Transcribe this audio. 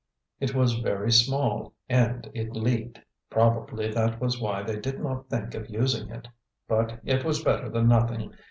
It was very small, and it leaked; probably that was why they did not think of using it. But it was better than nothing.